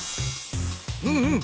うんうん。